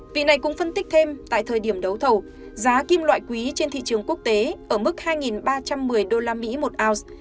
vị này cũng phân tích thêm tại thời điểm đấu thầu giá kim loại quý trên thị trường quốc tế ở mức hai ba trăm một mươi usd một ounce